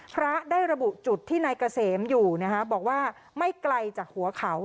พระที่ได้ระบุจุดในกเกษมอยู่ไม่ไกลจากหัวเขา